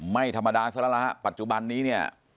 ไม่ธรรมดาซะแล้วล่ะฮะปัจจุบันนี้เนี่ย